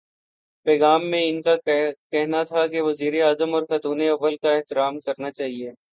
پیغام میں ان کا کہنا تھا کہ وزیرا اعظم اور خاتونِ اول کا احترام